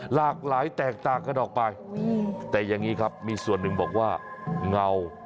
หลากหลายแตกต่างกันออกไปแต่อย่างนี้ครับมีส่วนหนึ่งบอกว่าเงา